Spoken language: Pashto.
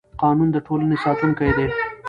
قانون د ټولنې ساتونکی دی